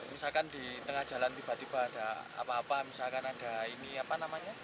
misalkan di tengah jalan tiba tiba ada apa apa misalkan ada ini apa namanya